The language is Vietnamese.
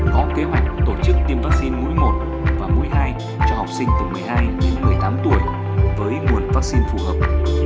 có kế hoạch tổ chức tiêm vắc xin mũi một và mũi hai cho học sinh từ một mươi hai đến một mươi tám tuổi với nguồn vắc xin phù hợp